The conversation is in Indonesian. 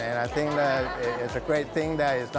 dan saya pikir ini adalah hal yang bagus